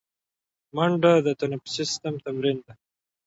منډه د تنفسي سیستم تمرین دی